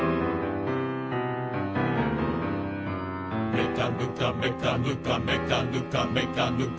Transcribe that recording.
「めかぬかめかぬかめかぬかめかぬか」